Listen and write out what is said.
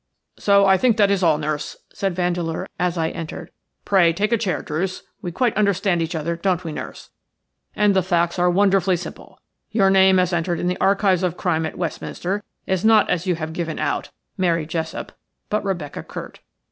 "So I think that is all, nurse," said Vandeleur, as I entered. "Pray take a chair, Druce. We quite understand each other, don't we, nurse, and the facts are wonderfully simple. Your name as entered in the archives of crime at Westminster is not as you have given out, Mary Jessop, but Rebecca Curt.